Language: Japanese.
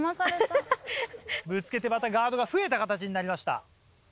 ・ぶつけてまたガードが増えた形になりました。